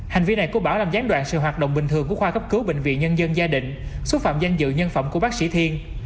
hành vi này của bảo làm gián đoạn sự hoạt động bình thường của khoa cấp cứu bệnh viện nhân dân gia đình xúc phạm danh dự nhân phẩm của bác sĩ thiên